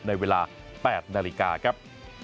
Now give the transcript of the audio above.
ในเวลา๘นาฬิกาครับ